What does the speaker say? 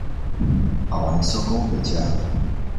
跑完收工回家